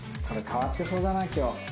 これ変わってそうだな今日。